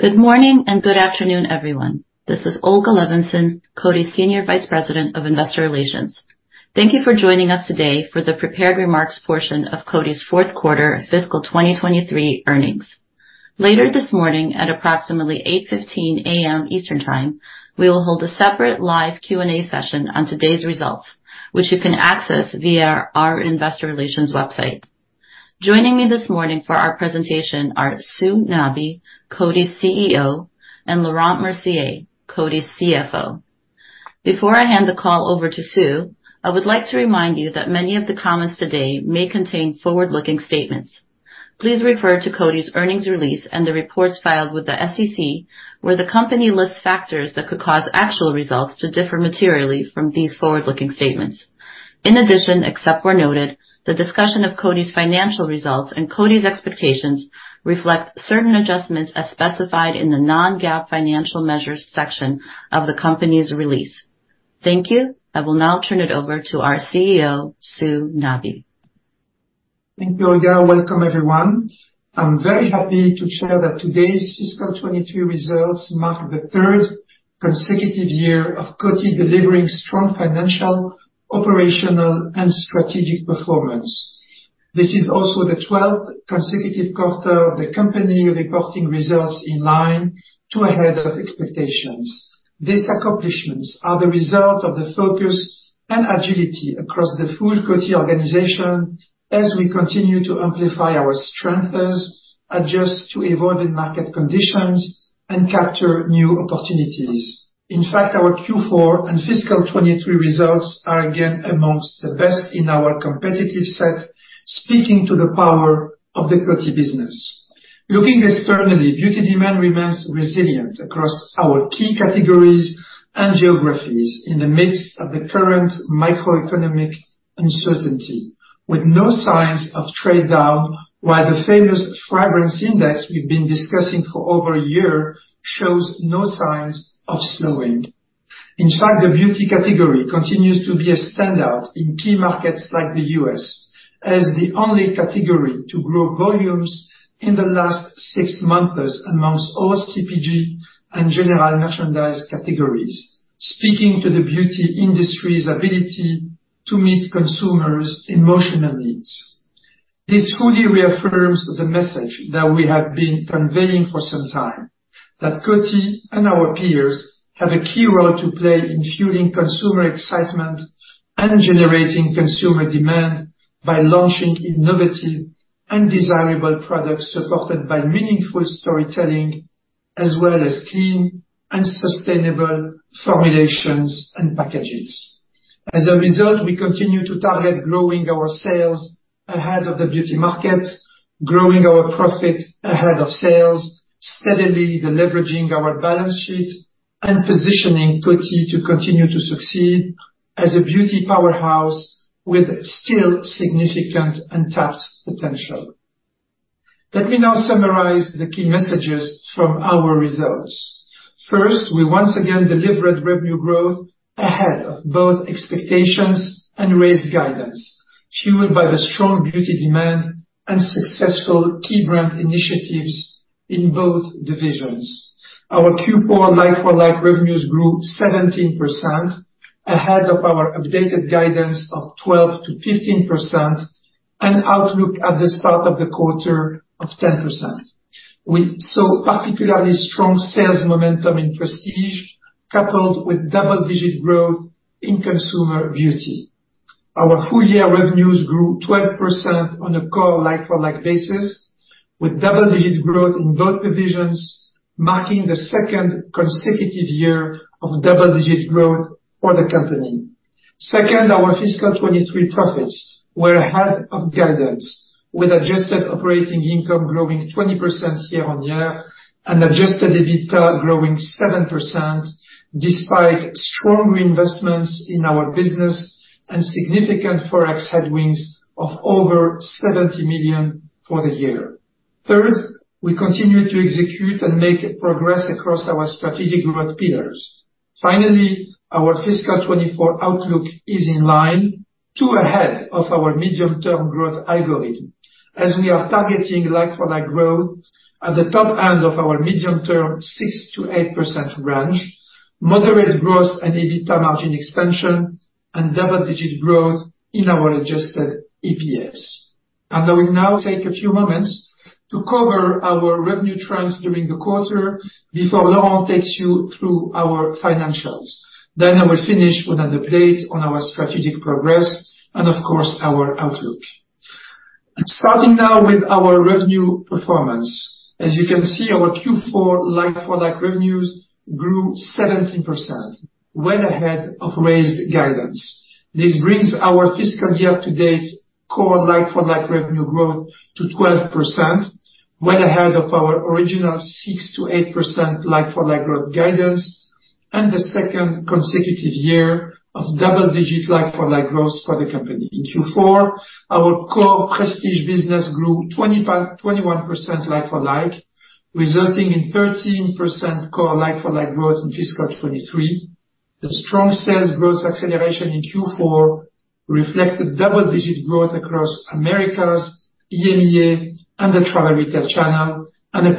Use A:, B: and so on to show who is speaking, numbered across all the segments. A: Good morning, and good afternoon, everyone. This is Olga Levinzon, Coty's Senior Vice President of Investor Relations. Thank you for joining us today for the prepared remarks portion of Coty's fourth quarter fiscal 2023 earnings. Later this morning, at approximately 8:15 A.M. Eastern Time, we will hold a separate live Q&A session on today's results, which you can access via our investor relations website. Joining me this morning for our presentation are Sue Nabi, Coty's CEO, and Laurent Mercier, Coty's CFO. Before I hand the call over to Sue, I would like to remind you that many of the comments today may contain forward-looking statements. Please refer to Coty's earnings release and the reports filed with the SEC, where the company lists factors that could cause actual results to differ materially from these forward-looking statements. Except where noted, the discussion of Coty's financial results and Coty's expectations reflect certain adjustments as specified in the non-GAAP financial measures section of the company's release. Thank you. I will now turn it over to our CEO, Sue Nabi.
B: Thank you, Olga. Welcome, everyone. I'm very happy to share that today's fiscal 2023 results mark the third consecutive year of Coty delivering strong financial, operational, and strategic performance. This is also the 12th consecutive quarter of the company reporting results in line to ahead of expectations. These accomplishments are the result of the focus and agility across the full Coty organization as we continue to amplify our strengths, adjust to evolving market conditions, and capture new opportunities. In fact, our Q4 and fiscal 2023 results are again amongst the best in our competitive set, speaking to the power of the Coty business. Looking externally, beauty demand remains resilient across our key categories and geographies in the midst of the current macroeconomic uncertainty, with no signs of trade-down, while the famous Fragrance Index we've been discussing for over a year shows no signs of slowing. In fact, the beauty category continues to be a standout in key markets like the U.S., as the only category to grow volumes in the last six months amongst all CPG and general merchandise categories, speaking to the beauty industry's ability to meet consumers' emotional needs. This fully reaffirms the message that we have been conveying for some time, that Coty and our peers have a key role to play in fueling consumer excitement and generating consumer demand by launching innovative and desirable products, supported by meaningful storytelling, as well as clean and sustainable formulations and packages. As a result, we continue to target growing our sales ahead of the beauty market, growing our profit ahead of sales, steadily leveraging our balance sheet, and positioning Coty to continue to succeed as a beauty powerhouse with still significant untapped potential. Let me now summarize the key messages from our results. First, we once again delivered revenue growth ahead of both expectations and raised guidance, fueled by the strong beauty demand and successful key brand initiatives in both divisions. Our Q4 like-for-like revenues grew 17%, ahead of our updated guidance of 12%-15% and outlook at the start of the quarter of 10%. We saw particularly strong sales momentum in Prestige, coupled with double-digit growth in Consumer Beauty. Our full year revenues grew 12% on a core like-for-like basis, with double-digit growth in both divisions, marking the second consecutive year of double-digit growth for the company. Second, our fiscal 2023 profits were ahead of guidance, with adjusted operating income growing 20% year on year and adjusted EBITDA growing 7%, despite strong investments in our business and significant Forex headwinds of over $70 million for the year. Third, we continued to execute and make progress across our strategic growth pillars. Finally, our fiscal 2024 outlook is in line to ahead of our medium-term growth algorithm, as we are targeting like-for-like growth at the top end of our medium-term 6%-8% range, moderate growth and EBITDA margin expansion, and double-digit growth in our adjusted EPS. I will now take a few moments to cover our revenue trends during the quarter before Laurent takes you through our financials. I will finish with an update on our strategic progress and, of course, our outlook. Starting now with our revenue performance. As you can see, our Q4 like-for-like revenues grew 17%, well ahead of raised guidance. This brings our fiscal year-to-date core like-for-like revenue growth to 12%, well ahead of our original 6%-8% like-for-like growth guidance, and the second consecutive year of double-digit like-for-like growth for the company. In Q4, our core Prestige business grew 21% like-for-like, resulting in 13% core like-for-like growth in fiscal 2023. The strong sales growth acceleration in Q4 reflected double-digit growth across Americas, EMEA, and the travel retail channel, and 2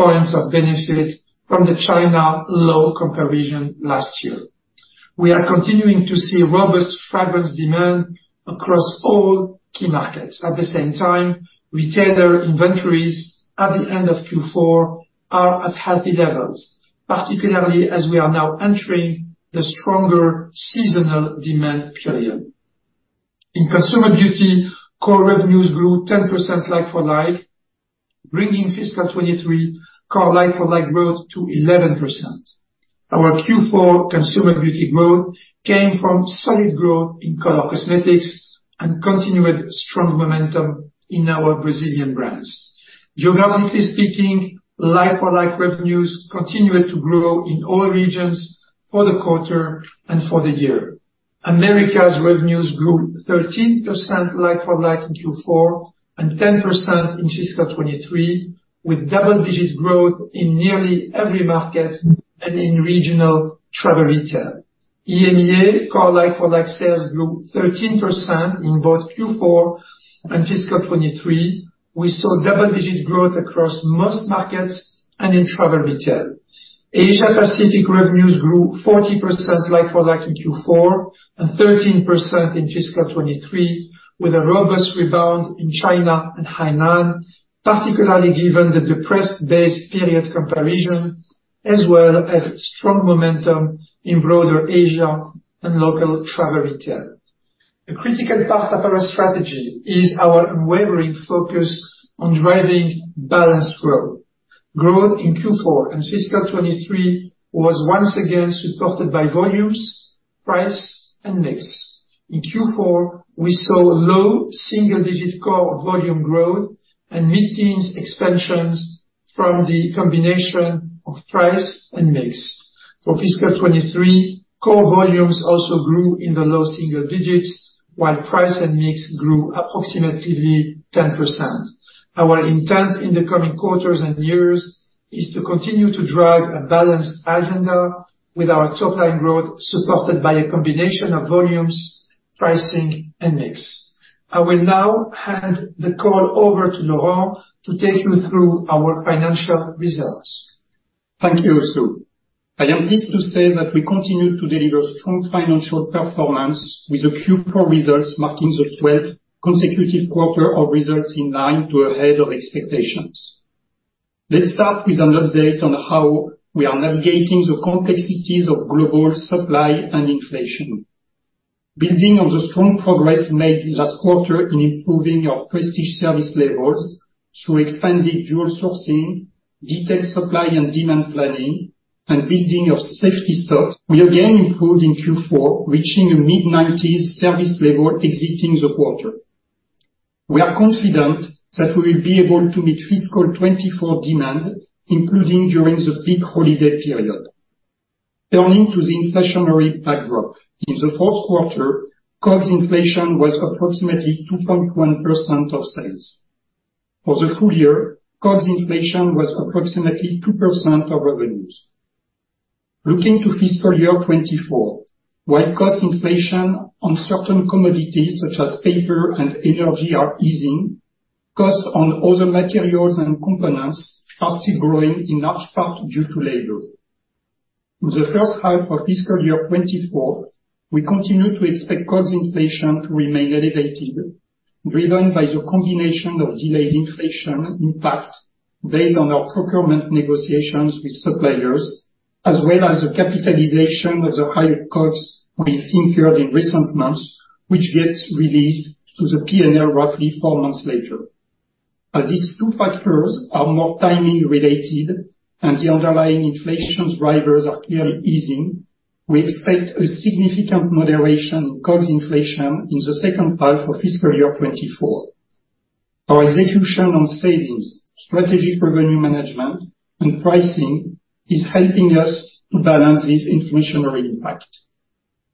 B: points of benefit from the China low comparison last year. We are continuing to see robust fragrance demand across all key markets. At the same time, retailer inventories at the end of Q4 are at healthy levels, particularly as we are now entering the stronger seasonal demand period. In Consumer Beauty, core revenues grew 10% like-for-like, bringing fiscal 2023 core like-for-like growth to 11%. Our Q4 Consumer Beauty growth came from solid growth in color cosmetics and continued strong momentum in our Brazilian brands. Geographically speaking, like-for-like revenues continued to grow in all regions for the quarter and for the year. Americas revenues grew 13% like-for-like in Q4, and 10% in fiscal 2023, with double-digit growth in nearly every market and in regional travel retail. EMEA core like-for-like sales grew 13% in both Q4 and fiscal 2023. We saw double-digit growth across most markets and in travel retail. Asia Pacific revenues grew 40% like-for-like in Q4, and 13% in fiscal 2023, with a robust rebound in China and Hainan, particularly given the depressed base period comparison, as well as strong momentum in broader Asia and local travel retail. A critical part of our strategy is our unwavering focus on driving balanced growth. Growth in Q4 and fiscal 2023 was once again supported by volumes, price, and mix. In Q4, we saw low single-digit core volume growth and mid-teens expansions from the combination of price and mix. For fiscal 2023, core volumes also grew in the low single digits, while price and mix grew approximately 10%. Our intent in the coming quarters and years is to continue to drive a balanced agenda with our top line growth, supported by a combination of volumes, pricing, and mix. I will now hand the call over to Laurent to take you through our financial results.
C: Thank you, Sue. I am pleased to say that we continue to deliver strong financial performance with the Q4 results marking the 12th consecutive quarter of results in line to ahead of expectations. Let's start with an update on how we are navigating the complexities of global supply and inflation. Building on the strong progress made last quarter in improving our Prestige service levels through expanded dual sourcing, detailed supply and demand planning, and building of safety stocks, we again improved in Q4, reaching a mid-90s service level exiting the quarter. We are confident that we will be able to meet fiscal 2024 demand, including during the peak holiday period. Turning to the inflationary backdrop, in the fourth quarter, COGS inflation was approximately 2.1% of sales. For the full year, COGS inflation was approximately 2% of revenues. Looking to fiscal year 2024, while cost inflation on certain commodities, such as paper and energy, are easing, costs on other materials and components are still growing, in large part due to labor. In the first half of fiscal year 2024, we continue to expect COGS inflation to remain elevated, driven by the combination of delayed inflation impact based on our procurement negotiations with suppliers, as well as the capitalization of the higher costs we incurred in recent months, which gets released to the PNL roughly 4 months later. As these two factors are more timing related and the underlying inflation drivers are clearly easing, we expect a significant moderation in COGS inflation in the second half of fiscal year 2024. Our execution on savings, strategic revenue management, and pricing is helping us to balance this inflationary impact.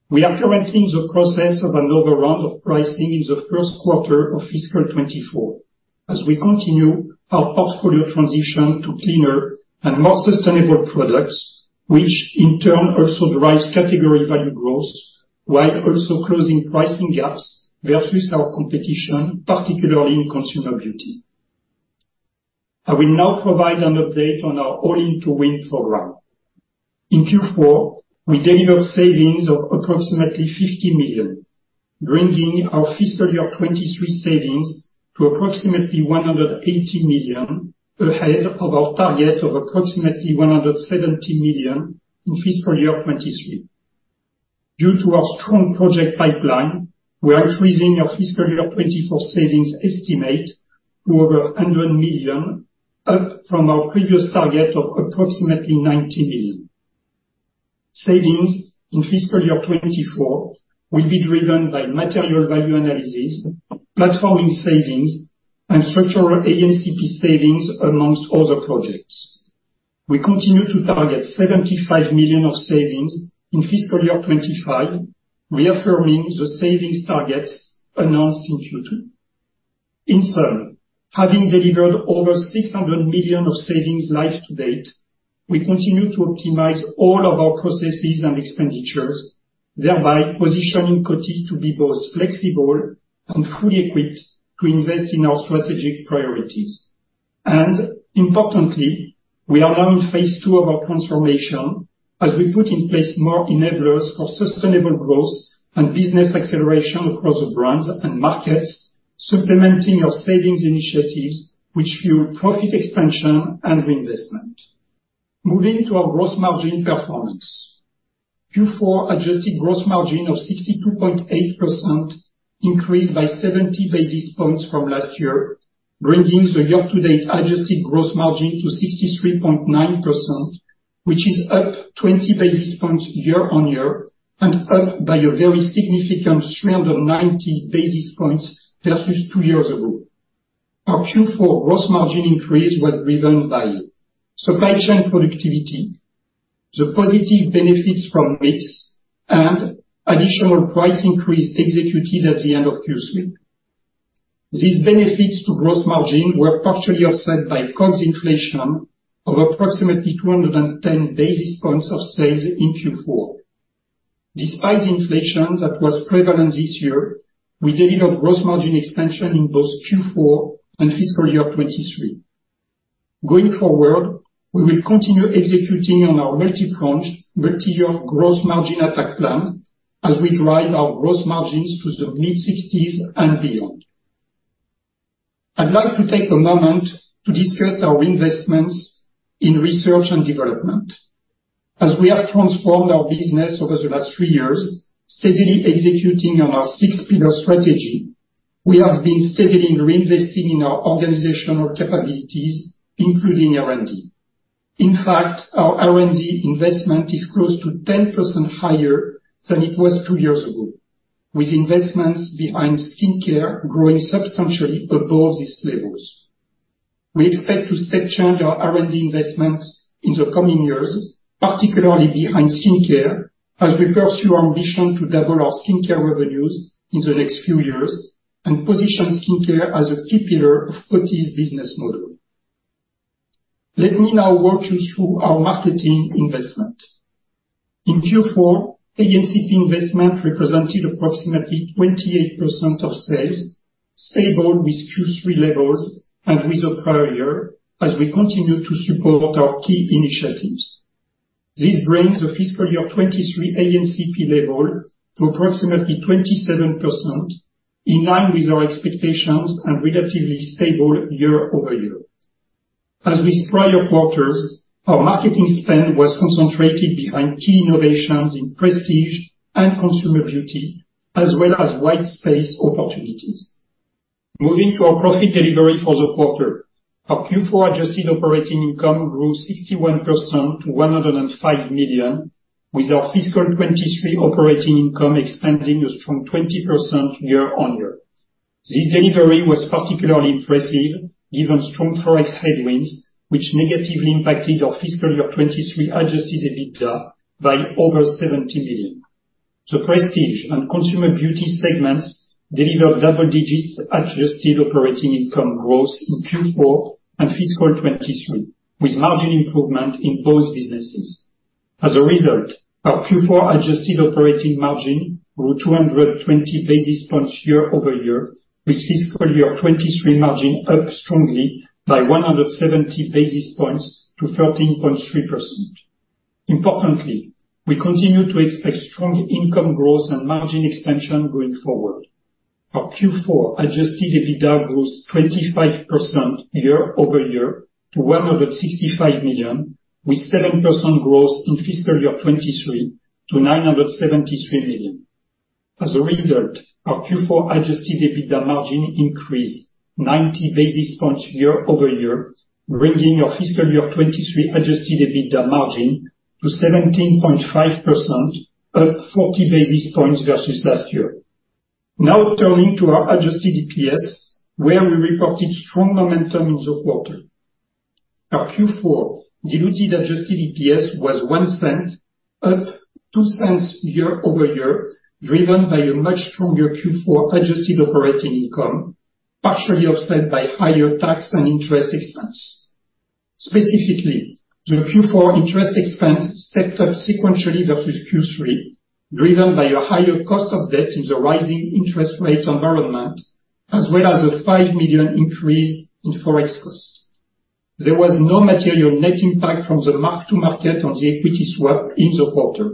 C: We are currently in the process of another round of pricing in the first quarter of fiscal 2024 as we continue our portfolio transition to cleaner and more sustainable products, which in turn also drives category value growth, while also closing pricing gaps versus our competition, particularly in Consumer Beauty. I will now provide an update on our All-in to Win program. In Q4, we delivered savings of approximately $50 million, bringing our fiscal year 2023 savings to approximately $180 million, ahead of our target of approximately $170 million in fiscal year 2023. Due to our strong project pipeline, we are increasing our fiscal year 2024 savings estimate to over $100 million, up from our previous target of approximately $90 million. Savings in fiscal year 2024 will be driven by Material Value Analysis, platforming savings, and structural ANCP savings, amongst other projects. We continue to target $75 million of savings in fiscal year 2025, reaffirming the savings targets announced in Q2. In sum, having delivered over $600 million of savings live to date, we continue to optimize all of our processes and expenditures, thereby positioning Coty to be both flexible and fully equipped to invest in our strategic priorities. Importantly, we are now in Phase II of our transformation as we put in place more enablers for sustainable growth and business acceleration across the brands and markets, supplementing our savings initiatives, which fuel profit expansion and reinvestment. Moving to our gross margin performance. Q4 Adjusted Gross Margin of 62.8% increased by 70 basis points from last year, bringing the year-to-date Adjusted Gross Margin to 63.9%, which is up 20 basis points year-on-year and up by a very significant 390 basis points versus 2 years ago. Our Q4 gross margin increase was driven by supply chain productivity, the positive benefits from mix, and additional price increase executed at the end of Q3. These benefits to gross margin were partially offset by COGS inflation of approximately 210 basis points of sales in Q4. Despite the inflation that was prevalent this year, we delivered gross margin expansion in both Q4 and fiscal year 2023. Going forward, we will continue executing on our multi-pronged, multi-year gross margin attack plan as we drive our gross margins to the mid-sixties and beyond. I'd like to take a moment to discuss our investments in research and development. As we have transformed our business over the last three years, steadily executing on our six-pillar strategy, we have been steadily reinvesting in our organizational capabilities, including R&D. In fact, our R&D investment is close to 10% higher than it was two years ago, with investments behind skincare growing substantially above these levels. We expect to step change our R&D investments in the coming years, particularly behind skincare, as we pursue our ambition to double our skincare revenues in the next few years and position skincare as a key pillar of Coty's business model. Let me now walk you through our marketing investment. In Q4, ANCP investment represented approximately 28% of sales, stable with Q3 levels and with the prior year, as we continue to support our key initiatives. This brings the fiscal year 2023 ANCP level to approximately 27%, in line with our expectations and relatively stable year-over-year. As with prior quarters, our marketing spend was concentrated behind key innovations in Prestige and Consumer Beauty, as well as white space opportunities. Moving to our profit delivery for the quarter. Our Q4 adjusted operating income grew 61% to $105 million, with our fiscal 2023 operating income expanding a strong 20% year-on-year. This delivery was particularly impressive given strong Forex headwinds, which negatively impacted our fiscal year 2023 adjusted EBITDA by over $70 million. The Prestige and Consumer Beauty segments delivered double-digit adjusted operating income growth in Q4 and fiscal 2023, with margin improvement in both businesses. Our Q4 adjusted operating margin grew 220 basis points year-over-year, with fiscal year 2023 margin up strongly by 170 basis points to 13.3%. Importantly, we continue to expect strong income growth and margin expansion going forward. Our Q4 adjusted EBITDA grows 25% year-over-year to $165 million, with 7% growth in fiscal year 2023 to $973 million. Our Q4 adjusted EBITDA margin increased 90 basis points year-over-year, bringing our fiscal year 2023 adjusted EBITDA margin to 17.5%, up 40 basis points versus last year. Turning to our adjusted EPS, where we reported strong momentum in the quarter. Our Q4 diluted adjusted EPS was $0.01, up $0.02 year-over-year, driven by a much stronger Q4 adjusted operating income, partially offset by higher tax and interest expense. Specifically, the Q4 interest expense stepped up sequentially versus Q3, driven by a higher cost of debt in the rising interest rate environment, as well as a $5 million increase in Forex costs. There was no material net impact from the mark-to-market on the equity swap in the quarter.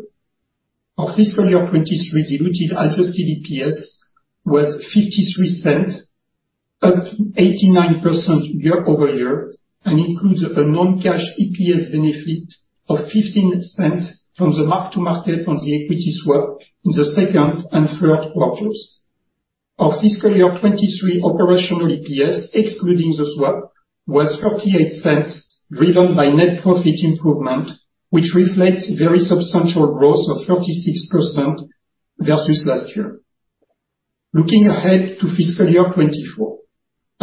C: Our fiscal year 2023 diluted adjusted EPS was $0.53, up 89% year-over-year, and includes a non-cash EPS benefit of $0.15 from the mark-to-market on the equity swap in the second and third quarters. Our fiscal year 2023 operational EPS, excluding the swap, was $0.48, driven by net profit improvement, which reflects very substantial growth of 36% versus last year. Looking ahead to fiscal year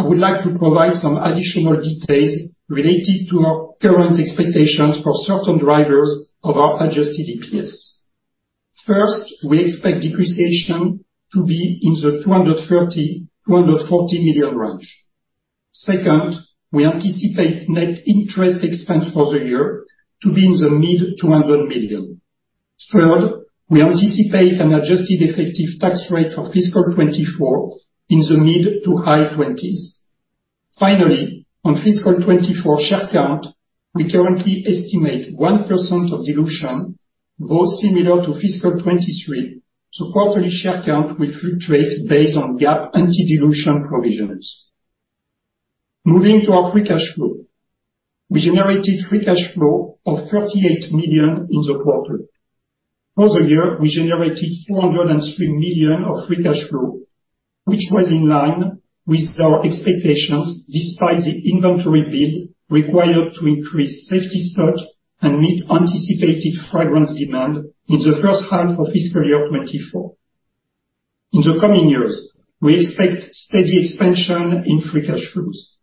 C: 2024, I would like to provide some additional details related to our current expectations for certain drivers of our adjusted EPS. First, we expect depreciation to be in the $230 million-$240 million range. Second, we anticipate net interest expense for the year to be in the mid-$200 million. Third, we anticipate an adjusted effective tax rate for fiscal 2024 in the mid-to-high 20s. Finally, on fiscal 2024 share count, we currently estimate 1% of dilution, both similar to fiscal 2023. Quarterly share count will fluctuate based on GAAP anti-dilution provisions. Moving to our free cash flow. We generated free cash flow of $38 million in the quarter. For the year, we generated $403 million of free cash flow, which was in line with our expectations, despite the inventory build required to increase safety stock and meet anticipated fragrance demand in the first half of fiscal year 2024. In the coming years, we expect steady expansion in free cash flows.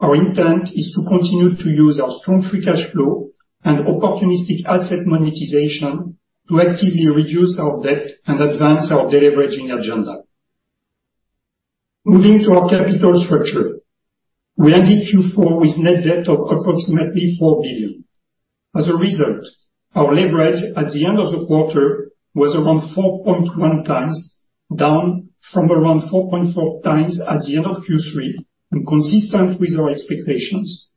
C: Our intent is to continue to use our strong free cash flow and opportunistic asset monetization to actively reduce our debt and advance our deleveraging agenda. Moving to our capital structure. We ended Q4 with net debt of approximately $4 billion. Our leverage at the end of the quarter was around 4.1x, down from around 4.4x at the end of Q3, and consistent with our expectations.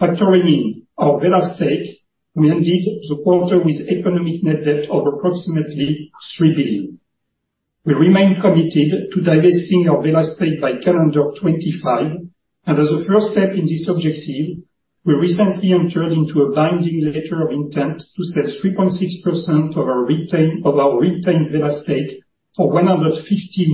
C: Factoring in our Wella stake, we ended the quarter with economic net debt of approximately $3 billion. We remain committed to divesting our Wella stake by calendar 2025, and as a first step in this objective, we recently entered into a binding letter of intent to sell 3.6% of our retained Wella stake for $150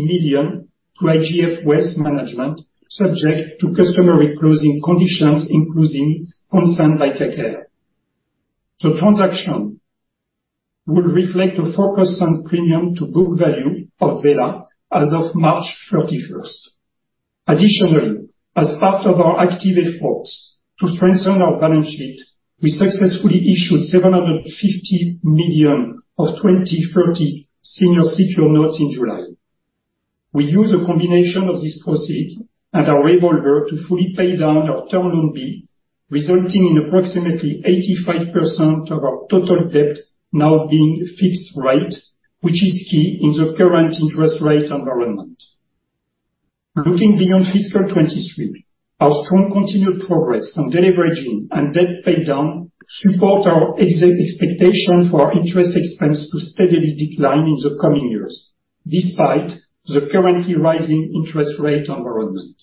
C: million to IGF Wealth Management, subject to customary closing conditions, including consent by KKR. The transaction will reflect a 4% premium to book value of Wella as of March 31st. Additionally, as part of our active efforts to strengthen our balance sheet, we successfully issued $750 million of 2030 senior secured notes in July. We use a combination of this proceed and our revolver to fully pay down our Term Loan B, resulting in approximately 85% of our total debt now being fixed rate, which is key in the current interest rate environment. Looking beyond fiscal 2023, our strong continued progress on deleveraging and debt paydown support our expectation for our interest expense to steadily decline in the coming years, despite the currently rising interest rate environment.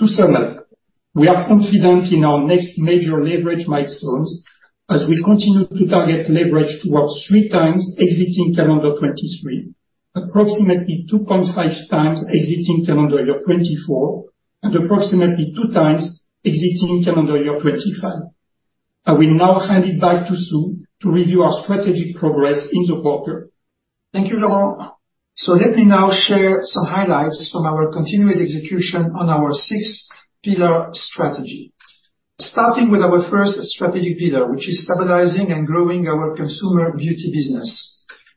C: To sum up, we are confident in our next major leverage milestones as we continue to target leverage towards 3x exiting calendar 2023, approximately 2.5x exiting calendar year 2024, and approximately 2x exiting calendar year 2025. I will now hand it back to Sue to review our strategic progress in the quarter.
B: Thank you, Laurent. Let me now share some highlights from our continued execution on our six-pillar strategy. Starting with our first strategic pillar, which is stabilizing and growing our Consumer Beauty business.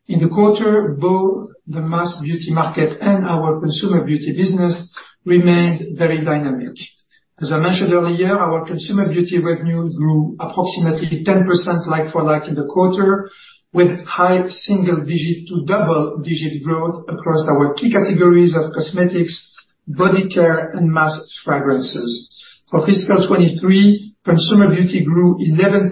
B: In the quarter, both the mass beauty market and our Consumer Beauty business remained very dynamic. As I mentioned earlier, our Consumer Beauty revenue grew approximately 10% like-for-like in the quarter, with high single-digit to double-digit growth across our key categories of cosmetics, body care, and mass fragrances. For fiscal 2023, Consumer Beauty grew 11%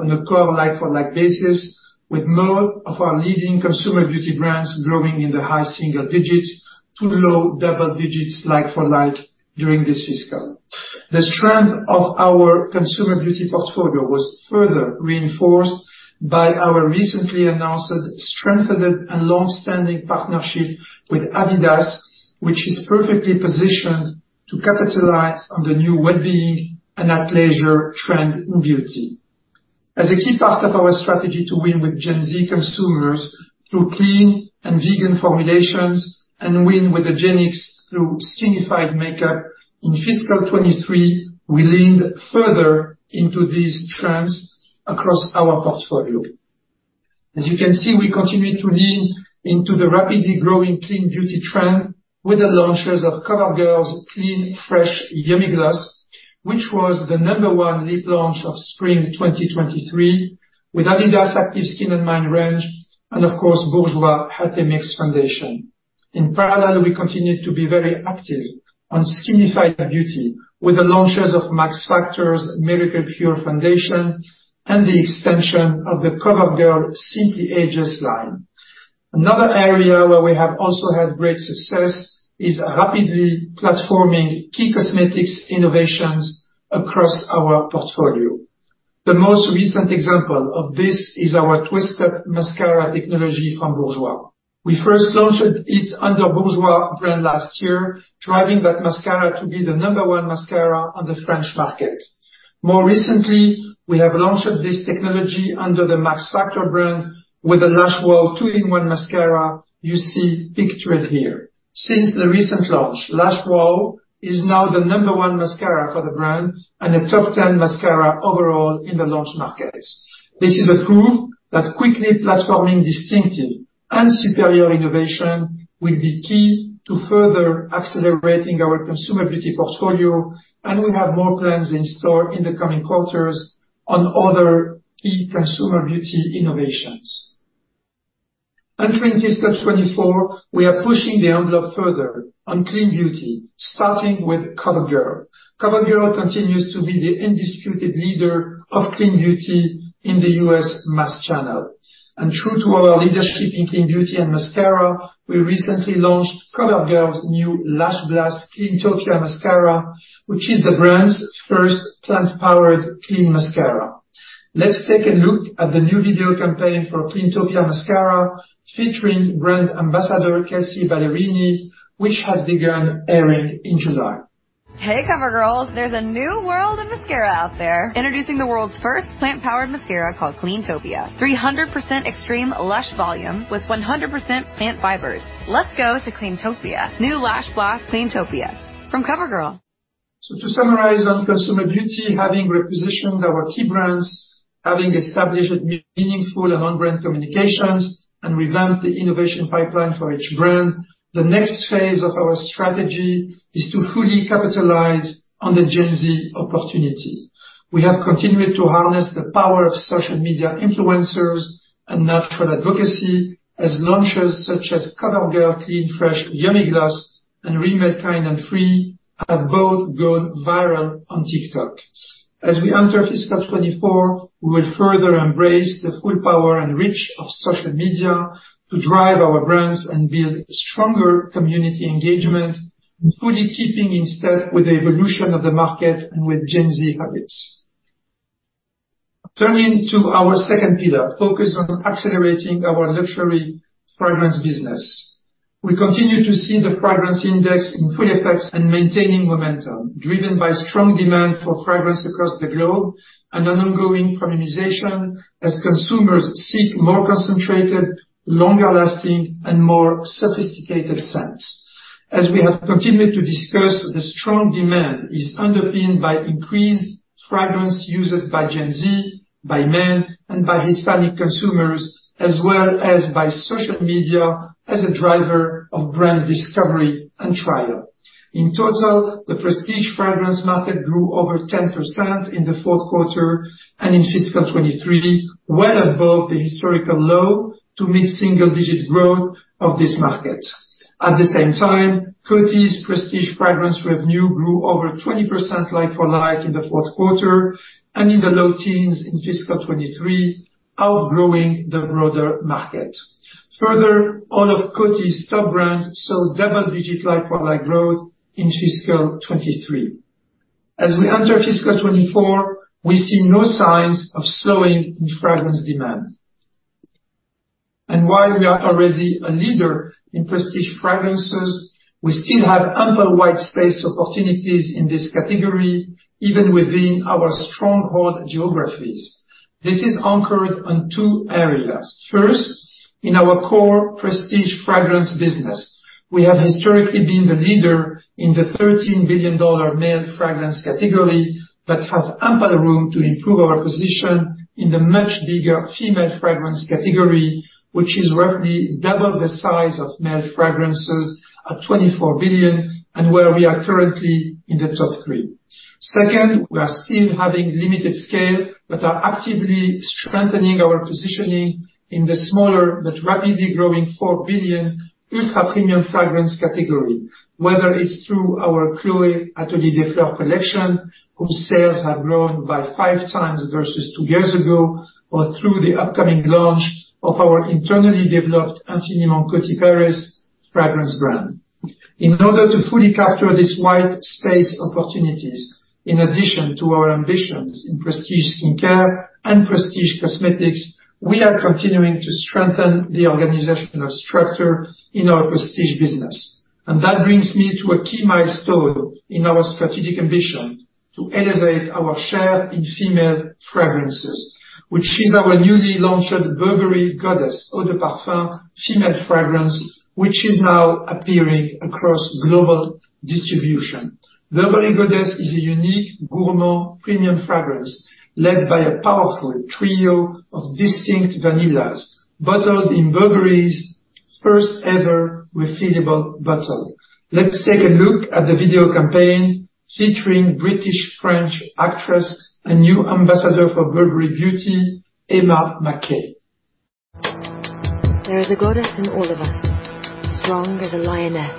B: on a core like-for-like basis, with more of our leading Consumer Beauty brands growing in the high single-digits to low double-digits like-for-like during this fiscal. The strength of our Consumer Beauty portfolio was further reinforced by our recently announced strengthened and long-standing partnership with Adidas, which is perfectly positioned to capitalize on the new well-being and athleisure trend in beauty. As a key part of our strategy to win with Gen Z consumers through clean and vegan formulations, and win with the Gen X through skinification makeup, in fiscal 2023, we leaned further into these trends across our portfolio. As you can see, we continue to lean into the rapidly growing clean beauty trend with the launches of CoverGirl's Clean Fresh Yummy Gloss, which was the number one lip launch of spring 2023, with Adidas Active Skin & Mind range, and of course, Bourjois Healthy Mix Foundation. In parallel, we continued to be very active on skinification beauty, with the launches of Max Factor's Miracle Pure Foundation and the extension of the CoverGirl Simply Ageless line. Another area where we have also had great success is rapidly platforming key cosmetics innovations across our portfolio. The most recent example of this is our twisted mascara technology from Bourjois. We first launched it under Bourjois brand last year, driving that mascara to be the number one mascara on the French market. More recently, we have launched this technology under the Max Factor brand with the Lash Wow 2-in-1 mascara you see pictured here. Since the recent launch, Lash Wow is now the number one mascara for the brand and a top 10 mascara overall in the launch markets. This is a proof that quickly platforming distinctive-... Superior innovation will be key to further accelerating our Consumer Beauty portfolio, and we have more plans in store in the coming quarters on other key Consumer Beauty innovations. Entering fiscal 24, we are pushing the envelope further on clean beauty, starting with CoverGirl. CoverGirl continues to be the undisputed leader of clean beauty in the U.S. mass channel. True to our leadership in clean beauty and mascara, we recently launched CoverGirl's new Lash Blast Cleantopia Mascara, which is the brand's first plant-powered clean mascara. Let's take a look at the new video campaign for Cleantopia Mascara, featuring brand ambassador, Kelsea Ballerini, which has begun airing in July.
D: Hey, CoverGirls, there's a new world of mascara out there. Introducing the world's first plant-powered mascara called Cleantopia. 300% extreme lash volume with 100% plant fibers. Let's go to Cleantopia. New Lash Blast Cleantopia from CoverGirl.
B: To summarize on Consumer Beauty, having repositioned our key brands, having established meaningful and on-brand communications, and revamped the innovation pipeline for each brand, the next phase of our strategy is to fully capitalize on the Gen Z opportunity. We have continued to harness the power of social media influencers and natural advocacy as launches such as CoverGirl Clean Fresh Yummy Gloss and Rimmel Kind & Free have both gone viral on TikTok. As we enter fiscal 2024, we will further embrace the full power and reach of social media to drive our brands and build stronger community engagement, and fully keeping in step with the evolution of the market and with Gen Z habits. Turning to our second pillar, focused on accelerating our luxury fragrance business. We continue to see the Fragrance Index in full effect and maintaining momentum, driven by strong demand for fragrance across the globe and an ongoing premiumization as consumers seek more concentrated, longer lasting, and more sophisticated scents. As we have continued to discuss, the strong demand is underpinned by increased fragrance usage by Gen Z, by men, and by Hispanic consumers, as well as by social media as a driver of brand discovery and trial. In total, the Prestige fragrance market grew over 10% in the fourth quarter and in fiscal 2023, well above the historical low to mid-single digit growth of this market. At the same time, Coty's Prestige fragrance revenue grew over 20% like-for-like in the fourth quarter, and in the low teens in fiscal 2023, outgrowing the broader market. All of Coty's top brands saw double-digit like-for-like growth in fiscal 2023. As we enter fiscal 2024, we see no signs of slowing in fragrance demand. While we are already a leader in Prestige fragrances, we still have ample white space opportunities in this category, even within our stronghold geographies. This is anchored on two areas. First, in our core Prestige fragrance business, we have historically been the leader in the $13 billion male fragrance category, but have ample room to improve our position in the much bigger female fragrance category, which is roughly double the size of male fragrances at $24 billion, and where we are currently in the top three. Second, we are still having limited scale, but are actively strengthening our positioning in the smaller but rapidly growing $4 billion ultra premium fragrance category. Whether it's through our Chloé Atelier des Fleurs collection, whose sales have grown by five times versus two years ago, or through the upcoming launch of our internally developed Infiniment Coty Paris fragrance brand. In order to fully capture these white space opportunities, in addition to our ambitions in Prestige skincare and Prestige cosmetics, we are continuing to strengthen the organizational structure in our Prestige business. That brings me to a key milestone in our strategic ambition to elevate our share in female fragrances, which is our newly launched Burberry Goddess eau de parfum female fragrance, which is now appearing across global distribution. Burberry Goddess is a unique gourmand premium fragrance led by a powerful trio of distinct vanillas, bottled in Burberry's first ever refillable bottle. Let's take a look at the video campaign featuring British-French actress and new ambassador for Burberry Beauty, Emma Mackey.
E: There is a goddess in all of us, strong as a lioness.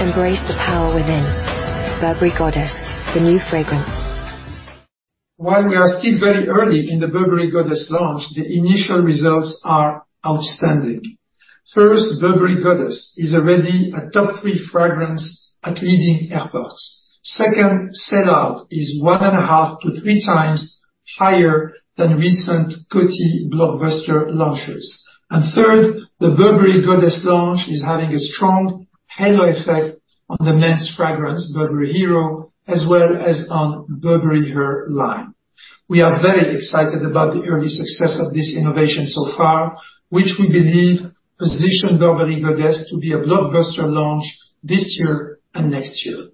E: Embrace the power within. Burberry Goddess, the new fragrance.
B: While we are still very early in the Burberry Goddess launch, the initial results are outstanding. First, Burberry Goddess is already a top three fragrance at leading airports. Second, sell-out is one and a half to three times higher than recent Coty blockbuster launches. Third, the Burberry Goddess launch is having a strong halo effect on the men's fragrance, Burberry Hero, as well as on Burberry Her line. We are very excited about the early success of this innovation so far, which we believe positions Burberry Goddess to be a blockbuster launch this year and next year.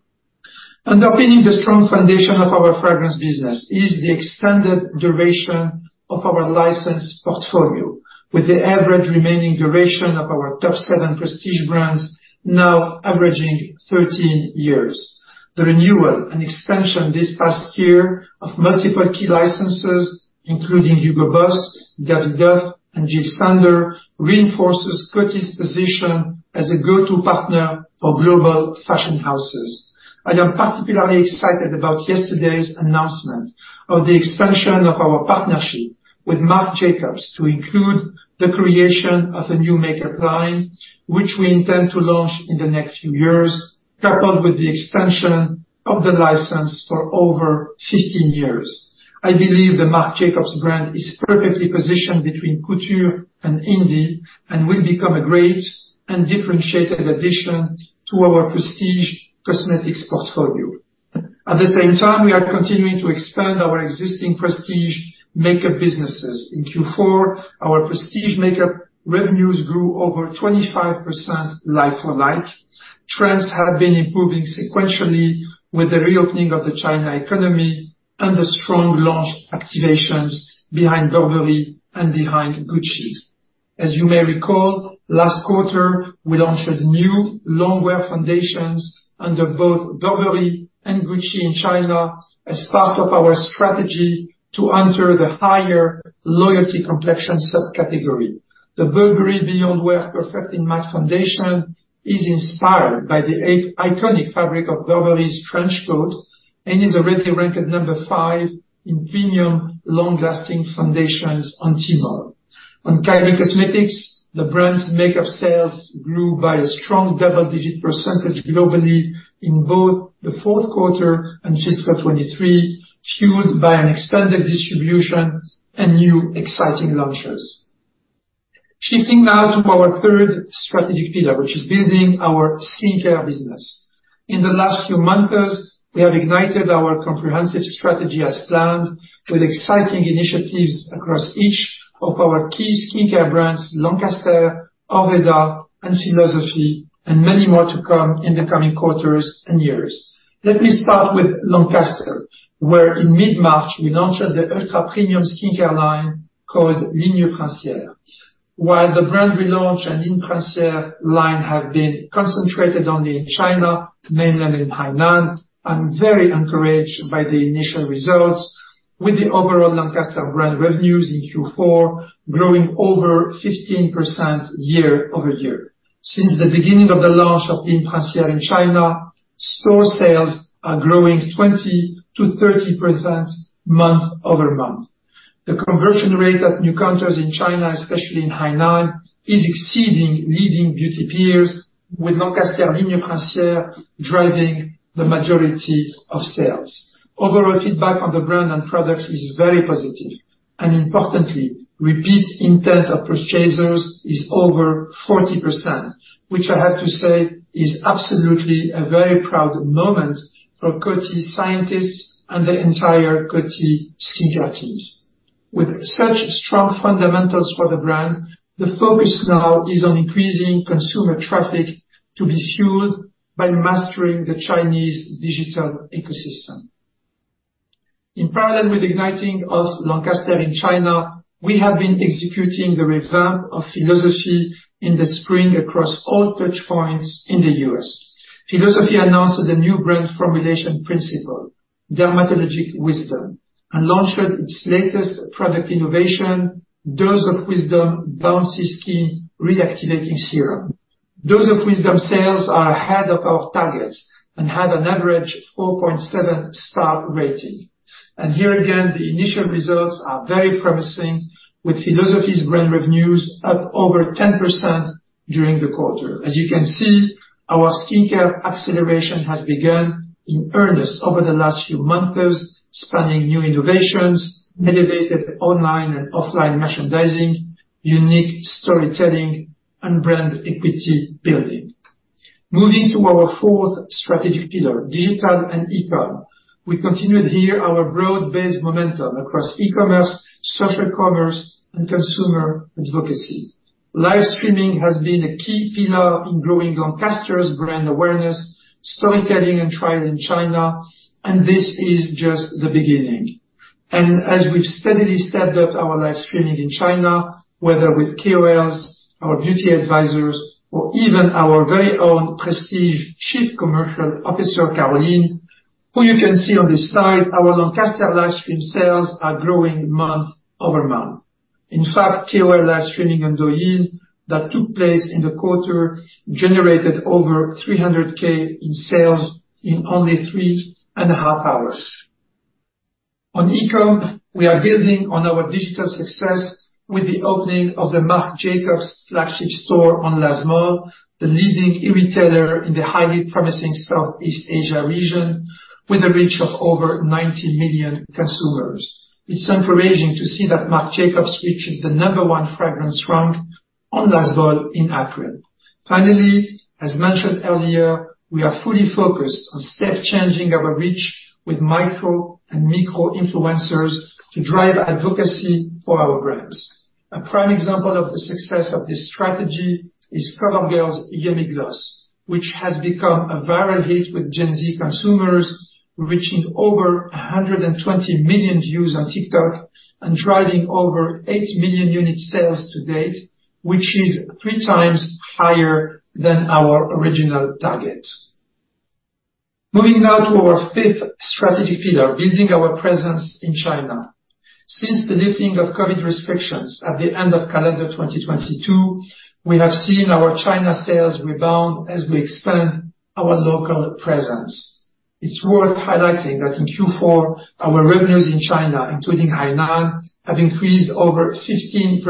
B: Underpinning the strong foundation of our fragrance business is the extended duration of our license portfolio, with the average remaining duration of our top 7 Prestige brands now averaging 13 years. The renewal and extension this past year of multiple key licenses, including Hugo Boss, Davidoff, and Jil Sander, reinforces Coty's position as a go-to partner for global fashion houses. I am particularly excited about yesterday's announcement of the expansion of our partnership with Marc Jacobs to include the creation of a new makeup line, which we intend to launch in the next few years, coupled with the extension of the license for over 15 years. I believe the Marc Jacobs brand is perfectly positioned between couture and indie, and will become a great and differentiated addition to our Prestige cosmetics portfolio. At the same time, we are continuing to expand our existing Prestige makeup businesses. In Q4, our Prestige makeup revenues grew over 25% like-for-like. Trends have been improving sequentially with the reopening of the China economy and the strong launch activations behind Burberry and behind Gucci. As you may recall, last quarter, we launched new longwear foundations under both Burberry and Gucci in China as part of our strategy to enter the higher loyalty complexion subcategory. The Burberry Beyond Wear Perfecting Matte Foundation is inspired by the iconic fabric of Burberry's trench coat and is already ranked number five in premium long-lasting foundations on Tmall. On Kylie Cosmetics, the brand's makeup sales grew by a strong double-digit % globally in both the fourth quarter and fiscal 2023, fueled by an expanded distribution and new exciting launches. Shifting now to our third strategic pillar, which is building our skincare business. In the last few months, we have ignited our comprehensive strategy as planned, with exciting initiatives across each of our key skincare brands, Lancaster, Orveda, and Philosophy, and many more to come in the coming quarters and years. Let me start with Lancaster, where in mid-March, we launched the ultra-premium skincare line called Ligne Princière. While the brand relaunch and Ligne Princière line have been concentrated only in China, mainland in Hainan, I'm very encouraged by the initial results with the overall Lancaster brand revenues in Q4 growing over 15% year-over-year. Since the beginning of the launch of Ligne Princière in China, store sales are growing 20%-30% month-over-month. The conversion rate at new counters in China, especially in Hainan, is exceeding leading beauty peers, with Lancaster Ligne Princière driving the majority of sales. Overall feedback on the brand and products is very positive, and importantly, repeat intent of purchasers is over 40%, which I have to say is absolutely a very proud moment for Coty scientists and the entire Coty skincare teams. With such strong fundamentals for the brand, the focus now is on increasing consumer traffic to be fueled by mastering the Chinese digital ecosystem. In parallel with igniting of Lancaster in China, we have been executing the revamp of Philosophy in the spring across all touchpoints in the U.S. Philosophy announced the new brand formulation principle, Dermatologic Wisdom, and launched its latest product innovation, Dose of Wisdom Bouncy Skin Reactivating Serum. Dose of Wisdom sales are ahead of our targets and have an average 4.7 star rating. Here again, the initial results are very promising, with Philosophy's brand revenues up over 10% during the quarter. As you can see, our skincare acceleration has begun in earnest over the last few months, spanning new innovations, elevated online and offline merchandising, unique storytelling, and brand equity building. Moving to our fourth strategic pillar, digital and e-com. We continued here our broad-based momentum across e-commerce, social commerce, and consumer advocacy. Live streaming has been a key pillar in growing Lancaster brand awareness, storytelling, and trial in China. This is just the beginning. As we've steadily stepped up our live streaming in China, whether with KOLs, our beauty advisors, or even our very own Prestige Chief Commercial Officer, Caroline, who you can see on this slide, our Lancaster live stream sales are growing month-over-month. In fact, KOL live streaming on Douyin that took place in the quarter generated over $300K in sales in only 3.5 hours. On e-com, we are building on our digital success with the opening of the Marc Jacobs flagship store on LazMall, the leading e-retailer in the highly promising Southeast Asia region, with a reach of over 90 million consumers. It's encouraging to see that Marc Jacobs reached the number 1 fragrance rank on LazMall in April. As mentioned earlier, we are fully focused on step changing our reach with micro and macro influencers to drive advocacy for our brands. A prime example of the success of this strategy is CoverGirl's Yummy Gloss, which has become a viral hit with Gen Z consumers, reaching over 120 million views on TikTok and driving over 8 million unit sales to date, which is three times higher than our original target. Moving now to our fifth strategic pillar, building our presence in China. Since the lifting of COVID restrictions at the end of calendar 2022, we have seen our China sales rebound as we expand our local presence. It's worth highlighting that in Q4, our revenues in China, including Hainan, have increased over 15%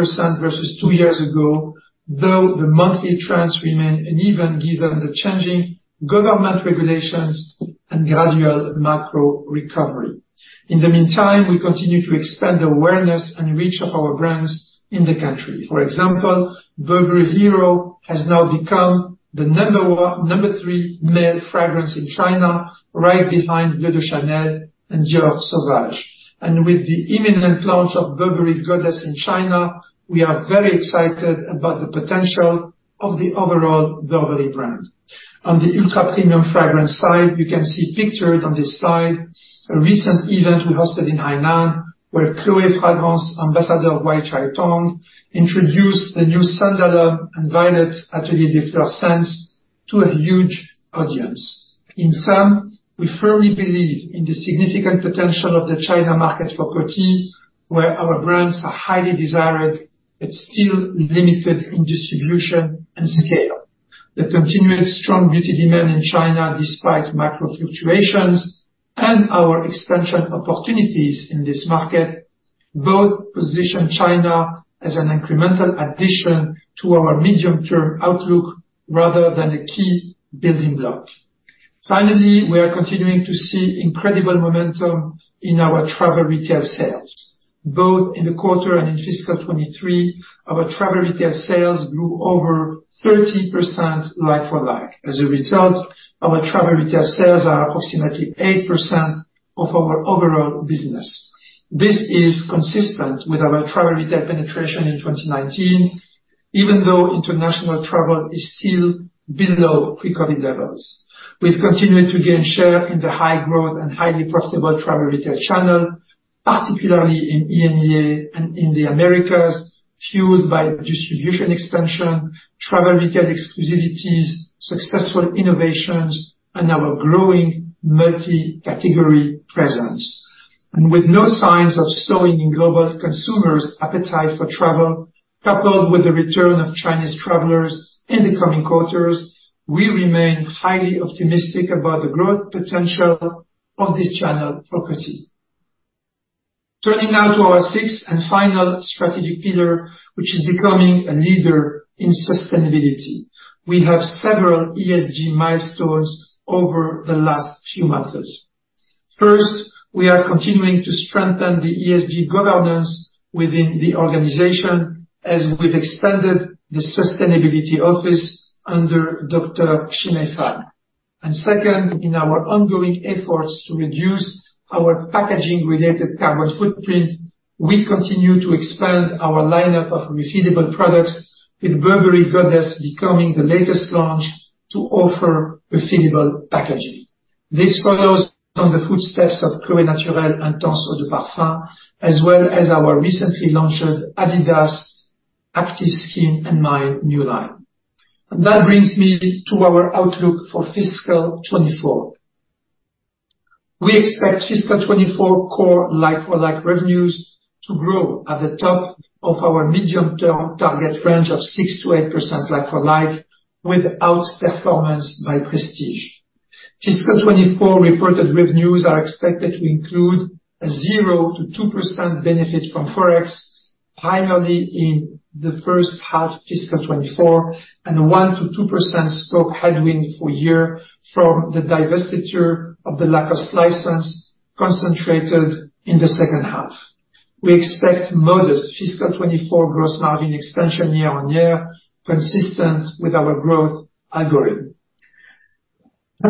B: versus 2 years ago, though the monthly trends remain uneven, given the changing government regulations and gradual macro recovery. In the meantime, we continue to expand the awareness and reach of our brands in the country. For example, Burberry Hero has now become the number 3 male fragrance in China, right behind Bleu de Chanel and Dior Sauvage. With the imminent launch of Burberry Goddess in China, we are very excited about the potential of the overall Burberry brand. On the ultra-premium fragrance side, you can see pictured on this slide, a recent event we hosted in Hainan, where Chloé Fragrance ambassador, Bai Jingting, introduced the new Santalum and Violette Atelier des Fleurs scents to a huge audience. In sum, we firmly believe in the significant potential of the China market for Coty, where our brands are highly desired, but still limited in distribution and scale. The continued strong beauty demand in China, despite macro fluctuations and our expansion opportunities in this market, both position China as an incremental addition to our medium-term outlook rather than a key building block. Finally, we are continuing to see incredible momentum in our travel retail sales. Both in the quarter and in fiscal 2023, our travel retail sales grew over 30% like-for-like. As a result, our travel retail sales are approximately 8% of our overall business. This is consistent with our travel retail penetration in 2019, even though international travel is still below pre-COVID levels. We've continued to gain share in the high growth and highly profitable travel retail channel, particularly in EMEA and in the Americas, fueled by distribution expansion, travel retail exclusivities, successful innovations, and our growing multi-category presence. With no signs of slowing in global consumers' appetite for travel, coupled with the return of Chinese travelers in the coming quarters, we remain highly optimistic about the growth potential of this channel for Coty. Turning now to our sixth and final strategic pillar, which is becoming a leader in sustainability. We have several ESG milestones over the last few months. First, we are continuing to strengthen the ESG governance within the organization, as we've extended the sustainability office under Dr. Shimei Fan. Second, in our ongoing efforts to reduce our packaging-related carbon footprint, we continue to expand our lineup of refillable products, with Burberry Goddess becoming the latest launch to offer refillable packaging. This follows on the footsteps of Chloé Naturelle and Dans eau de parfum, as well as our recently launched Adidas Active Skin & Mind new line. That brings me to our outlook for fiscal 2024. We expect fiscal 2024 core like-for-like revenues to grow at the top of our medium-term target range of 6%-8% like-for-like, without outperformance by Prestige. Fiscal 2024 reported revenues are expected to include a 0%-2% benefit from Forex, primarily in the first half fiscal 2024, and a 1%-2% scope headwind for year from the divestiture of the Lacoste license concentrated in the second half. We expect modest fiscal 2024 gross margin expansion year-on-year, consistent with our growth algorithm.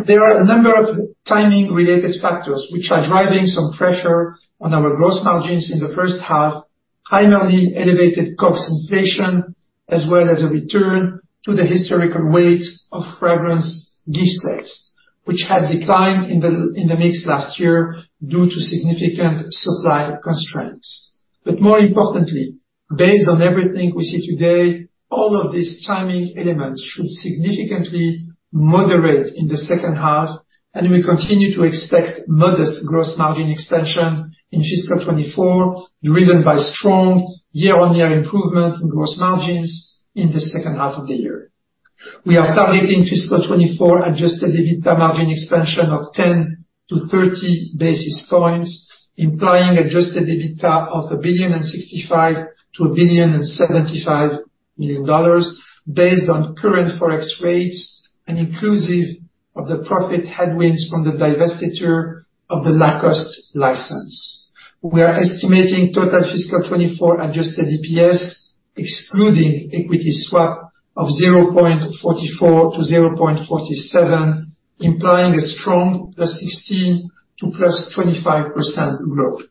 B: There are a number of timing-related factors, which are driving some pressure on our gross margins in the first half, primarily elevated COGS inflation, as well as a return to the historical weight of fragrance gift sets, which had declined in the mix last year due to significant supply constraints. More importantly, based on everything we see today, all of these timing elements should significantly moderate in the second half, and we continue to expect modest gross margin expansion in fiscal 2024, driven by strong year-on-year improvement in gross margins in the second half of the year. We are targeting fiscal 2024 adjusted EBITDA margin expansion of 10-30 basis points, implying adjusted EBITDA of $1.065 billion-$1.075 billion, based on current Forex rates and inclusive of the profit headwinds from the divestiture of the Lacoste license. We are estimating total fiscal 2024 adjusted EPS, excluding equity swap, of $0.44-$0.47, implying a strong +16%-+25% growth.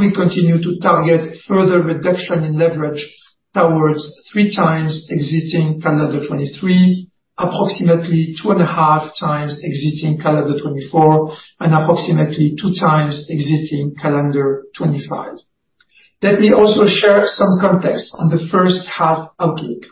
B: We continue to target further reduction in leverage towards 3 times exiting calendar 2023, approximately 2.5 times exiting calendar 2024, and approximately 2 times exiting calendar 2025. Let me also share some context on the first half outlook.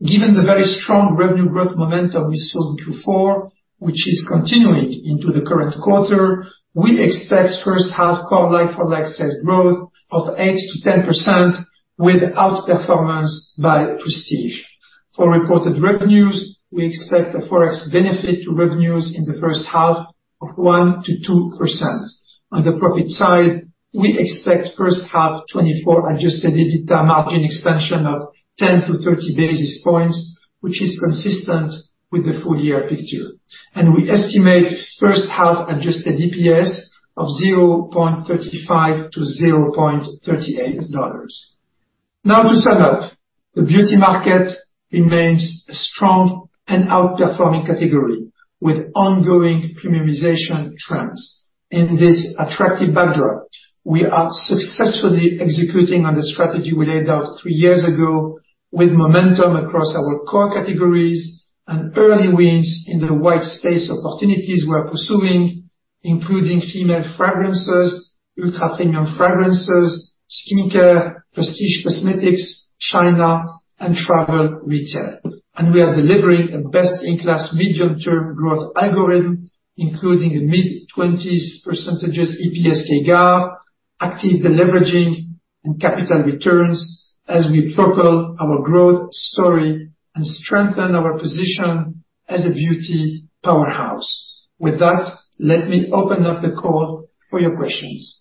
B: Given the very strong revenue growth momentum we saw in Q4, which is continuing into the current quarter, we expect first half core like-for-like sales growth of 8%-10% without performance by Prestige. For reported revenues, we expect a Forex benefit to revenues in the first half of 1%-2%. On the profit side, we expect first half 2024 adjusted EBITDA margin expansion of 10-30 basis points, which is consistent with the full year picture. We estimate first half adjusted EPS of $0.35-$0.38. To sum up, the beauty market remains a strong and outperforming category, with ongoing premiumization trends. In this attractive backdrop, we are successfully executing on the strategy we laid out 3 years ago, with momentum across our core categories and early wins in the white space opportunities we are pursuing, including female fragrances, ultra-premium fragrances, skincare, Prestige cosmetics, China, and travel retail. We are delivering a best-in-class medium-term growth algorithm, including a mid-20s % EPS CAGR, active deleveraging, and capital returns as we propel our growth story and strengthen our position as a beauty powerhouse. With that, let me open up the call for your questions.